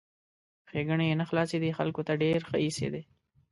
ښېګڼې یې نه خلاصېدې ، خلکو ته ډېر ښه ایسېدی!